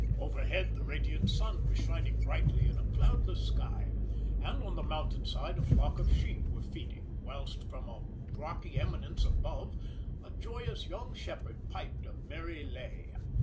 Overhead, the radiant sun was shining brightly in a cloudless sky, and on the mountain side a flock of sheep were feeding, whilst from a rocky eminence above, a joyous young shepherd piped a merry lay.